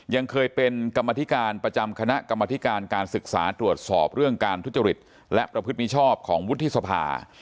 ยังเคยเป็นกรรมธิการประจำคณะกรรมธิการการศึกษาตรวจสอบเรื่องการทุจริตและประพฤติมิชอบของวุฒิสภา